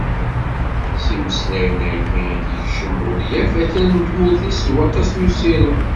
S yimeslayen-agi i d-yekcem Budyaf akal n tmurt-is d waṭas n usirem.